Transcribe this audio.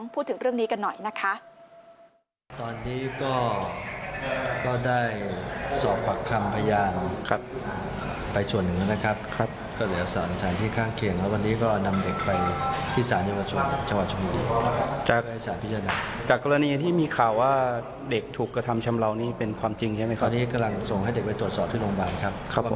พูดถึงเรื่องนี้กันหน่อยนะคะ